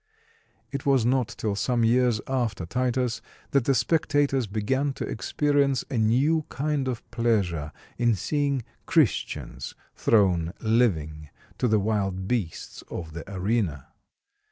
] It was not till some years after Titus that the spectators began to experience a new kind of pleasure in seeing Christians thrown living to the wild beasts of the arena.